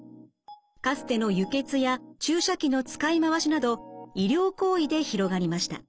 かつての輸血や注射器の使い回しなど医療行為で広がりました。